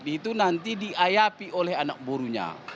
itu nanti diayapi oleh anak burunya